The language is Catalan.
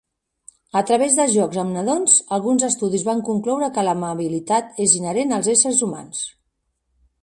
A través de jocs amb nadons, alguns estudis van concloure que l'amabilitat és inherent als éssers humans.